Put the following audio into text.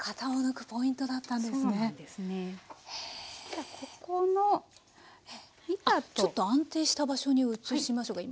じゃここの板と。ちょっと安定した場所に移しましょうか。